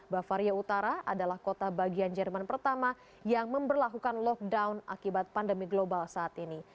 bavaria utara adalah kota bagian jerman pertama yang memperlakukan lockdown akibat pandemi global saat ini